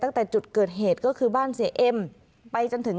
หน้าผู้ใหญ่ในจังหวัดคาดว่าไม่คนใดคนหนึ่งนี่แหละนะคะที่เป็นคู่อริเคยทำรักกายกันมาก่อน